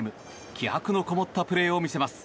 気迫のこもったプレーを見せます。